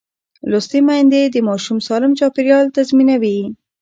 لوستې میندې د ماشوم سالم چاپېریال تضمینوي.